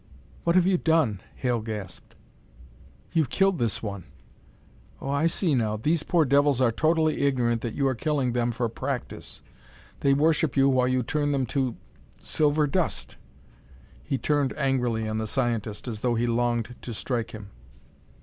"What have you done!" Hale gasped. "You've killed this one. Oh, I see now! These poor devils are totally ignorant that you are killing them for practice. They worship you while you turn them to silver dust!" He turned angrily on the scientist as though he longed to strike him.